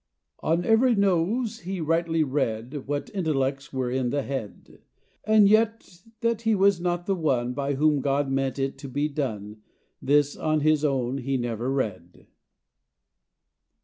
On every nose he rightly read What intellects were in the head And yet that he was not the one By whom God meant it to be done, This on his own he never read.